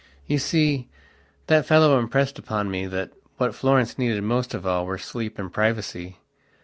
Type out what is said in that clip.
You see, that fellow impressed upon me that what Florence needed most of all were sleep and privacy.